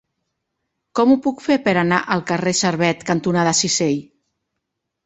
Com ho puc fer per anar al carrer Servet cantonada Cisell?